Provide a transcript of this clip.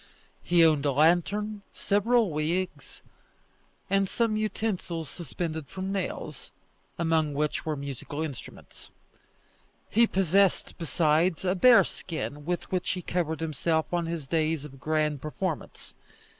He owned a lantern, several wigs, and some utensils suspended from nails, among which were musical instruments. He possessed, besides, a bearskin with which he covered himself on his days of grand performance.